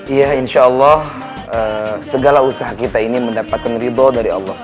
iya insya allah segala usaha kita ini mendapatkan ribu dari allah swt